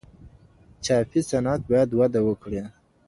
چاپي صنعت بايد وده وکړي.